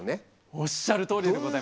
おっしゃるとおりでございます。